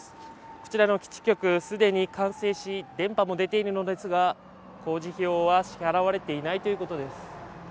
こちらの基地局、既に完成し電波も出ているのですが工事費用は支払われていないということです。